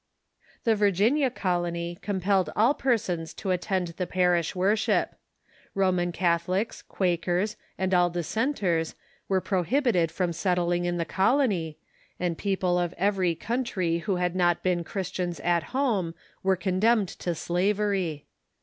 The Virginia Colony compelled all persons to attend the parish worship. Roman Catholics, Quakers, and all Dissenters were prohibited from settling in the colony, and people Virginia i i t i / ^n ••^ of every country who had not been Christians at home were condemned to slavery.